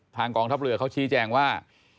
กองทัพเรือเขาชี้แจงว่า